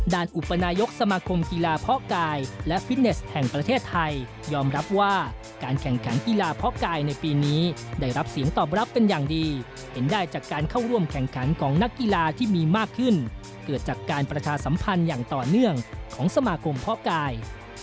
อุปนายกสมาคมกีฬาเพาะกายและฟิตเนสแห่งประเทศไทยยอมรับว่าการแข่งขันกีฬาเพาะกายในปีนี้ได้รับเสียงตอบรับเป็นอย่างดีเห็นได้จากการเข้าร่วมแข่งขันของนักกีฬาที่มีมากขึ้นเกิดจากการประชาสัมพันธ์อย่างต่อเนื่องของสมาคมเพาะกาย